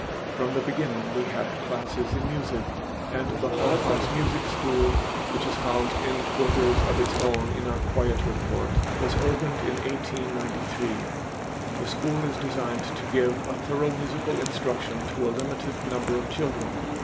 From the beginning we had classes in music, and the Hull House Music School, which is housed in quarters of its own in our quieter court, was opened in 1893. The school is designed to give a thorough musical instruction to a limited number of children.